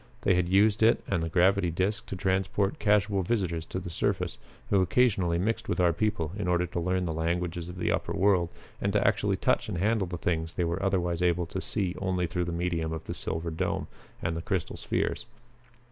They had used it and the gravity disc to transport casual visitors to the surface, who occasionally mixed with our people in order to learn the languages of the upper world and to actually touch and handle the things they were otherwise able to see only through the medium of Silver Dome and the crystal spheres.